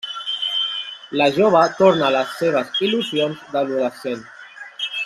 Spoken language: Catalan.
La jove torna a les seves il·lusions d'adolescent.